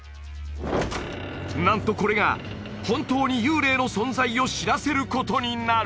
なんとこれが本当に幽霊の存在を知らせることになる！